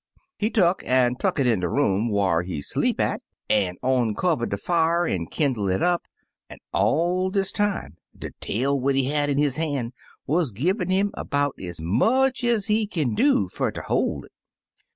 "He tuck *n tuck it in de room whar he sleep at, an' onkiwer*d de fier, an* kindle it up, an' all dis time de tail what he had in his han* wuz givin* him *bout ez much ez he 70 Taily Po kin do fer ter hoY it.